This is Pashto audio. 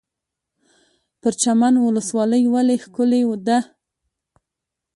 پرچمن ولسوالۍ ولې ښکلې ده؟